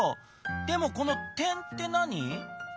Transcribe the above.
でもこの「てん」って何？